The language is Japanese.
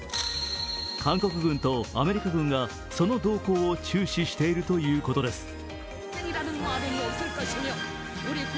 韓国軍とアメリカ軍がその動向を注視しているということです。